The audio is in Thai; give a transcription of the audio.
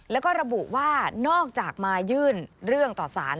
แล้วก็ระบุว่านอกจากมายื่นเรื่องต่อสาร